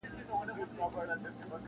زه په لمبو کي د پتنګ میني منلی یمه-